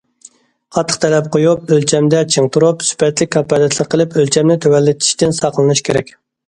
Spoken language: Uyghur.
قاتتىق تەلەپ قويۇپ، ئۆلچەمدە چىڭ تۇرۇپ، سۈپەتكە كاپالەتلىك قىلىپ، ئۆلچەمنى تۆۋەنلىتىشتىن ساقلىنىش كېرەك.